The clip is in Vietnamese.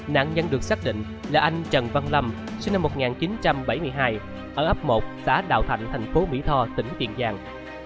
nạn nhân được xác định là anh trần văn lâm sinh năm một nghìn chín trăm bảy mươi hai ở ấp một xã đào thạnh thành phố mỹ tho tỉnh tiền giang